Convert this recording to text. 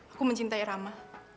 aku mencintai rama